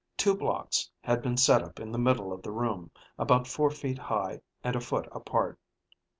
Two blocks had been set up in the middle of the room, about four feet high and a foot apart.